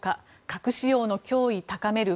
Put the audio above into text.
核使用の脅威高める